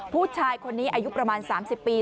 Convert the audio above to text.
ผู้ชายคนนี้อายุประมาณ๓๐ปี